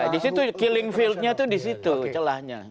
di situ killing fieldnya itu di situ celahnya